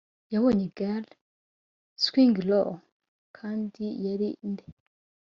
yabonye igare "swing low"? kandi yari nde